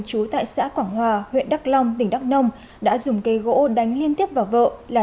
chú tại xã quảng hòa huyện đắk long tỉnh đắk nông đã dùng cây gỗ đánh liên tiếp vào vợ là